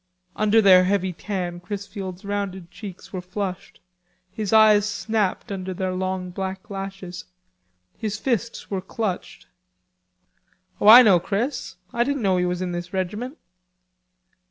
Under their heavy tan Chrisfield's rounded cheeks were flushed. His eyes snapped under their long black lashes. His fists were clutched. "Oh, I know, Chris. I didn't know he was in this regiment."